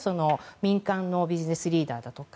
民間のビジネスリーダーなどに。